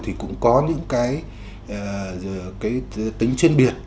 thì cũng có những cái tính chuyên biệt